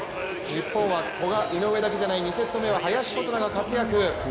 日本は古賀、井上だけじゃない２セット目を林琴奈が活躍。